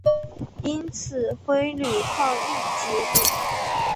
因此辉钼矿易解理。